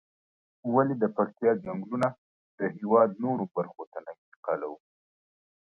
ولې د پکتيا ځنگلونه د هېواد نورو برخو ته نه انتقالوو؟